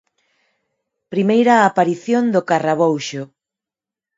Primeira aparición do Carrabouxo.